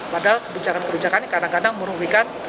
padahal kebijakan kebijakan ini kadang kadang merugikan